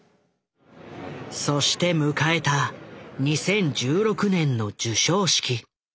そして迎えた２０１６年の授賞式。